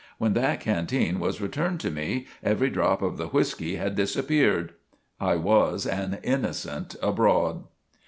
When that canteen was returned to me every drop of the whiskey had disappeared. I was an "innocent abroad."